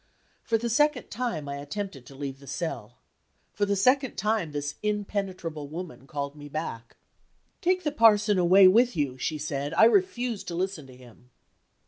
For the second time I attempted to leave the cell. For the second time this impenetrable woman called me back. "Take the parson away with you," she said. "I refuse to listen to him."